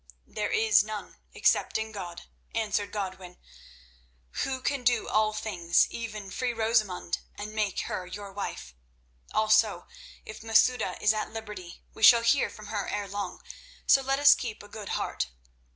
"There is none, except in God," answered Godwin, "Who can do all things—even free Rosamund and make her your wife. Also, if Masouda is at liberty, we shall hear from her ere long; so let us keep a good heart."